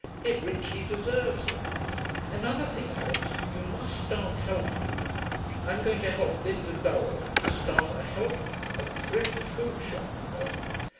It richly deserves it.... Another thing, Alix you must start health food. I'm going to help Linda Durell to start a Health and Thrift Food Shop, you know.